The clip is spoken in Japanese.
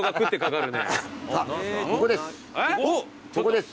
ここです！